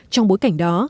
trong bối cảnh đó